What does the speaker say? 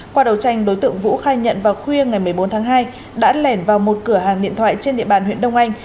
qua đầu tranh đối tượng vũ khai nhận vào khuya ngày một mươi bốn tháng hai đã lẻn vào một cửa hàng điện thoại trên địa bàn huyện đông anh